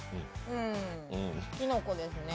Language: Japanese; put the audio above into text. うん、きのこですね。